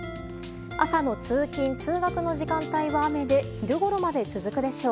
朝の通勤・通学の時間帯は雨で昼ごろまで続くでしょう。